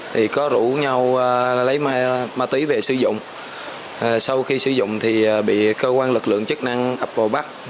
thì có rủ nhau lấy ma túy về sử dụng sau khi sử dụng thì bị cơ quan lực lượng chức năng ập vào bắt